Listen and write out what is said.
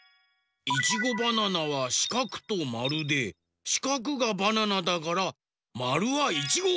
いちごバナナはしかくとまるでしかくがバナナだからまるはいちご！